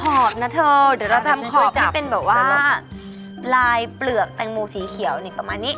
ขอบนะเธอเดี๋ยวเราทำขอบที่เป็นแบบว่าลายเปลือกแตงโมสีเขียวนี่ประมาณนี้